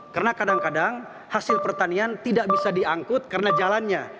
karena kadang kadang hasil pertanian tidak bisa diangkut karena jalannya